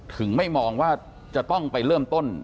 ไม่มองว่าจะต้องไปเริ่มต้น